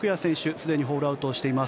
すでにホールアウトしています。